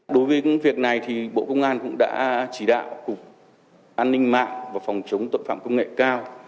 đối với việc này thì bộ công an cũng đã chỉ đạo cục an ninh mạng và phòng chống tội phạm công nghệ cao